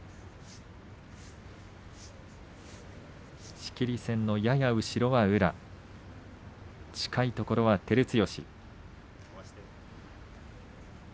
仕切り線のやや後ろは宇良近いところは照強。